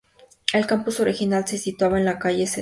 El campus original se situaba en la calle St.